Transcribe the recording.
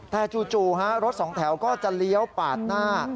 แต่จู่ฮะรถสองแถวก็จะเลี้ยวปาดหน้า